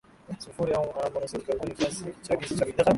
sulfuri au monoksidi kaboni Kiasi hiki cha gesi chafu